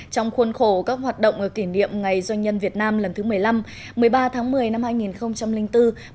trong khuôn khổ các hoạt động kỷ niệm ngày doanh nhân việt nam lần thứ một mươi năm một mươi ba tháng một mươi năm hai nghìn bốn một mươi ba tháng một mươi hai nghìn một mươi chín